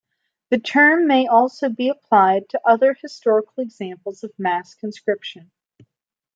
The term may also be applied to other historical examples of mass conscription.